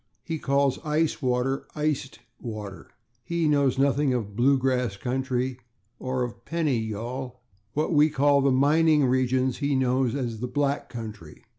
He calls ice water /iced water/. He knows nothing of /blue grass/ country or of /pennyr'yal/. What we call the /mining regions/ he knows as the /black country